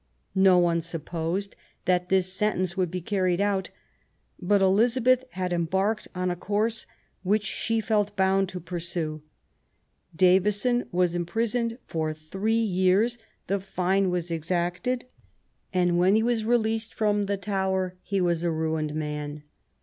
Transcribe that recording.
No one supposed that this sentence would be carried out ; but Elizabeth had embarked on a course which she felt bound to pursue. Davison was imprisoned for three years, the fine was exacted, and when he was released from the Tower he was a ruined man.